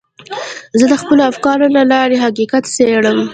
زه د خپلو افکارو له لارې حقیقت څېړم.